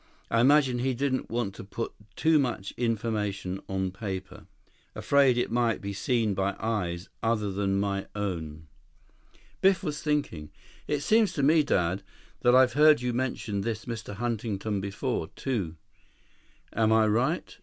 I imagine he didn't want to put too much information on paper. Afraid it might be seen by eyes other than my own." 9 Biff was thinking. "It seems to me, Dad, that I've heard you mention this Mr. Huntington before, too. Am I right?"